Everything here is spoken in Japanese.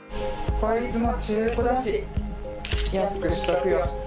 コイツも中古だし安くしとくよ。